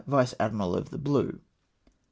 " Vice Admiral of the Bhie."